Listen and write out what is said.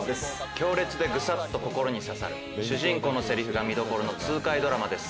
強烈でグサっと心に刺さる主人公のセリフが見どころの痛快ドラマです。